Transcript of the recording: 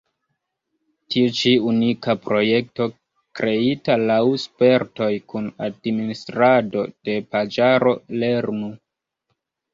Tiu ĉi unika projekto kreita laŭ spertoj kun administrado de paĝaro lernu!